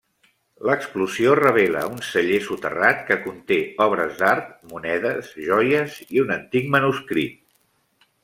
L'explosió revela un celler soterrat que conté obres d'art, monedes, joies i un antic manuscrit.